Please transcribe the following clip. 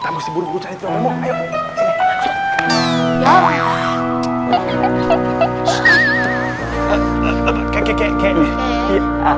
aduh aduh aduh aduh aduh